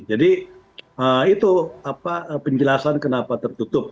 jadi itu penjelasan kenapa tertutup